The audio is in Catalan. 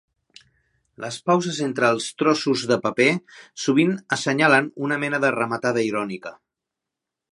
Les pauses entre els trossos de paper sovint assenyalen una mena de "rematada" irònica.